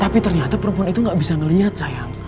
tapi ternyata perempuan itu gak bisa melihat sayang